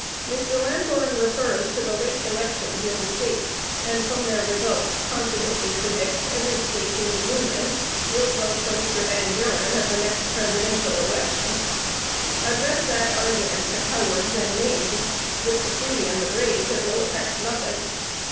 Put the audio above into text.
"Mr. Lamborn refers to the late elections in the States, and, from their results, confidently predicts every State in the Union will vote for Mr. Van Buren at the next presidential election. Address that argument to cowards and knaves: with the free and the brave it will affect nothing.